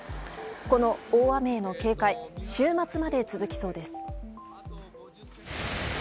この大雨への警戒週末まで続きそうです。